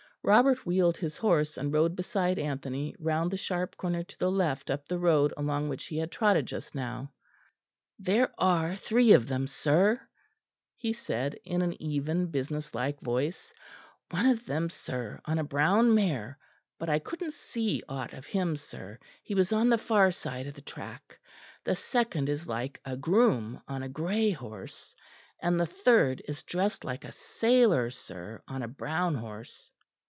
Robert wheeled his horse and rode beside Anthony round the sharp corner to the left up the road along which he had trotted just now. "There are three of them, sir," he said in an even, businesslike voice; "one of them, sir, on a brown mare, but I couldn't see aught of him, sir; he was on the far side of the track; the second is like a groom on a grey horse, and the third is dressed like a sailor, sir, on a brown horse."